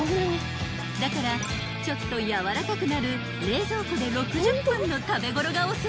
［だからちょっと軟らかくなる冷蔵庫で６０分の食べ頃がおすすめ］